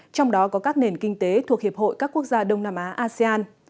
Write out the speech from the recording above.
trong đó có các nền kinh tế thuộc hiệp hội các quốc gia đông nam á asean